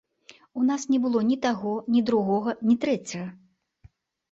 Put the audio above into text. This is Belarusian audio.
У нас не было ні таго, ні другога, ні трэцяга.